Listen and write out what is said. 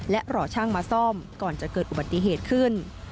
และรอช่างมาซ่อมก่อนจะเกิดอุบัติเหตุขึ้น